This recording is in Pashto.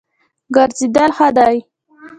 ګرځېدل ښه دی.